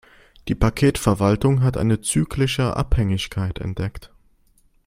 Die Paketverwaltung hat eine zyklische Abhängigkeit entdeckt.